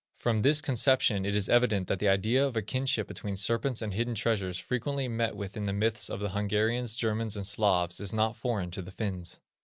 From this conception it is evident that the idea of a kinship between serpents and hidden treasures frequently met with in the myths of the Hungarians, Germans, and Slavs, is not foreign to the Finns.